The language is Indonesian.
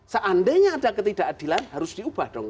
seandainya ada ketidakadilan harus diubah dong